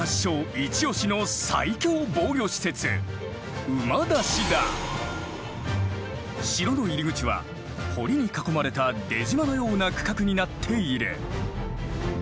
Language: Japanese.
一押しの最強防御施設城の入り口は堀に囲まれた出島のような区画になっている。